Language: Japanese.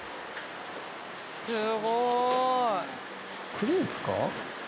クレープか？